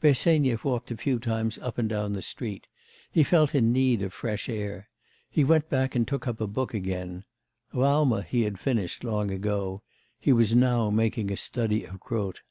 Bersenyev walked a few times up and down the street; he felt in need of fresh air. He went back and took up a book again. Raumer he had finished long ago; he was now making a study of Grote.